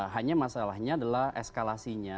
hanya masalahnya adalah eskalasinya